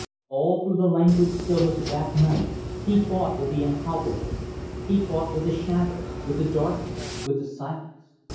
All through the languid stillness of that night he fought with the impalpable; he fought with the shadows, with the darkness, with the silence.